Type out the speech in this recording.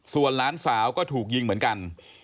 ส่วนหลานสาวก็ถูกยิงเหมือนกัน